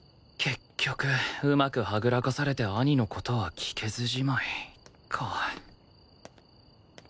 結局うまくはぐらかされて兄の事は聞けずじまいか